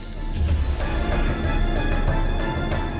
อันดับสุดท้ายของพี่รัตติว